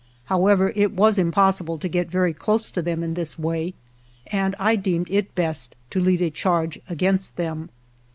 However, it was impossible to get very close to them in this way, and I deemed it best to lead a charge against them.